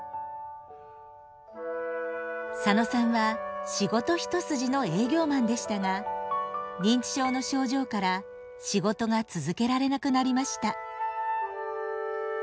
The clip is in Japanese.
佐野さんは仕事一筋の営業マンでしたが認知症の症状から仕事が続けられなくなりました。